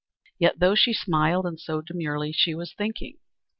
Yet though she smiled and sewed demurely, she was thinking.